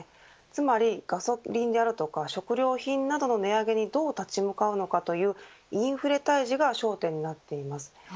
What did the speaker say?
つまり、ガソリンや食料品などの値上げにどう立ち向かうのかというインフレ退治が焦点になっています。